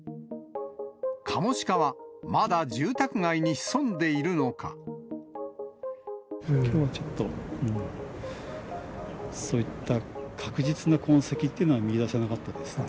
カモシカはまだ住宅街に潜んきょうはちょっと、そういった確実な痕跡っていうのは見いだせなかったですね。